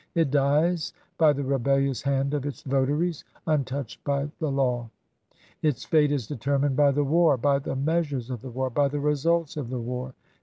It dies by the rebellious hand of its votaries, untouched by the law. Its fate is determined by the war ; by the measures of the war; by the results of the war.